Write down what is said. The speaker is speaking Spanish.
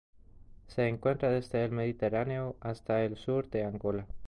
Se encuentra desde el Mediterráneo hasta el sur de Angola.